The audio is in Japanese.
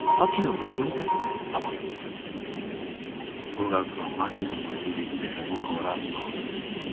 語学は槙野の右に出る者はおらんのう。